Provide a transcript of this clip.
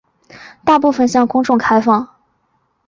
大部分向公众开放。